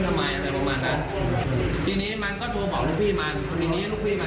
เข้าไปในบ้านนี่